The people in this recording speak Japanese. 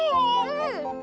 うん！